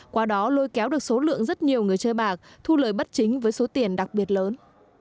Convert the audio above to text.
qua đó lôi kéo được số lượng rất nhiều người chơi bạc thu lời bất chính với số tiền đặc biệt lớn